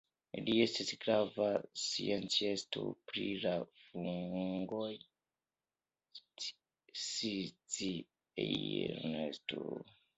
Li estis grava sciencisto pri la fungoj.